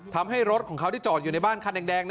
ทำให้รถของเขาที่จอดอยู่ในบ้านคันแดง